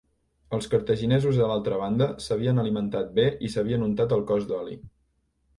Els cartaginesos a l'altra banda, s'havien alimentat bé i s'havien untat el cos d'oli.